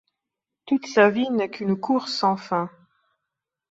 Toute sa vie n’est qu’une course sans fin.